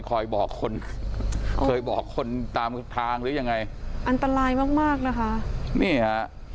คอยบอกคนคอยบอกคนตามทางหรือยังไงอันตรายมากมากนะคะนี่ฮะ